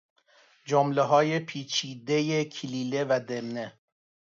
جملههای پیچیدی کلیله و دمنه